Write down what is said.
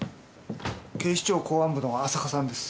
警視庁公安部の浅香さんです。